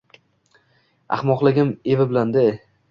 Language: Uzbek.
Ahmoqligam evi bilande.